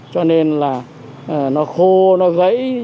cho nên là nó khô nó gãy như lúc nào cũng không được liên tục